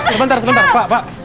sebentar sebentar pak pak